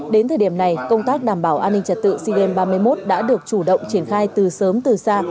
đến thời điểm này công tác đảm bảo an ninh trật tự sea games ba mươi một đã được chủ động triển khai từ sớm từ xa